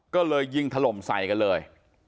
ก็เลยยิงถล่มใส่กันเลย